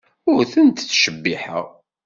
Ur tent-ttcebbiḥeɣ.